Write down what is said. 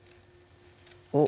おっ！